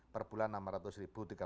per bulan enam ratus ribu